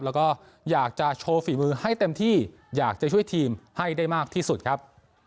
แล้วก็อยากจะโชว์ฝีมือให้เต็มที่อยากจะช่วยทีมให้ได้มากที่สุดครับ